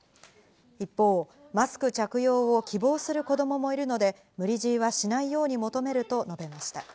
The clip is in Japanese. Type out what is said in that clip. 一方、マスク着用を希望する子供もいるので無理強いはしないように求めると述べました。